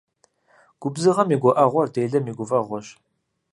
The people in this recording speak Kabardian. Губзыгъэм и гуӀэгъуэр делэм и гуфӀэгъуэщ.